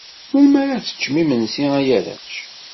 Melmi ara teččem imensi, ay arrac?